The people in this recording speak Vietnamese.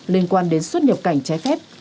liên quan đến xuất nhập cảnh trái phép